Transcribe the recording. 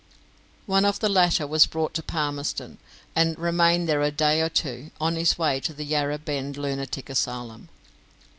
One of the latter was brought to Palmerston, and remained there a day or two on his way to the Yarra Bend Lunatic Asylum.